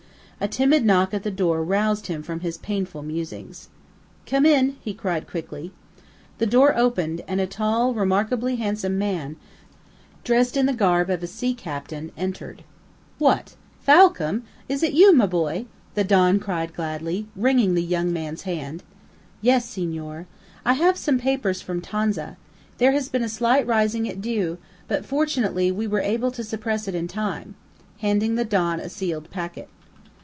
A timid knock at the door roused him from his painful musings. "Come in!" he cried quickly. The door opened, and a tall, remarkably handsome man, dressed in the garb of a sea captain, entered. "What, Falcam, is it you, my boy?" the don cried gladly, wringing the young man's hand. "Yes, senor. I have some papers from Tonza. There has been a slight rising at Diu, but, fortunately, we were able to suppress it in time," handing the don a sealed packet.